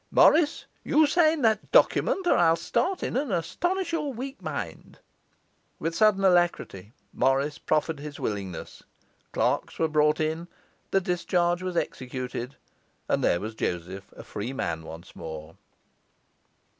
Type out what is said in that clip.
Morris, you sign that document, or I'll start in and astonish your weak mind.' With a sudden alacrity, Morris proffered his willingness. Clerks were brought in, the discharge was executed, and there was Joseph a free man once more.